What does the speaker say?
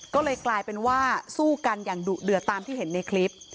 ก็เลยกลายเป็นว่าสู้กันอย่างดุเดือดตามที่เห็นในคลิป